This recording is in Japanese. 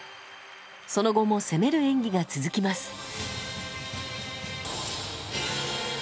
その後も攻める演技が続きます。